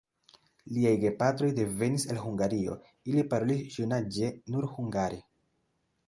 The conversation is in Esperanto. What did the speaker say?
Liaj gepatroj devenis el Hungario, ili parolis junaĝe nur hungare.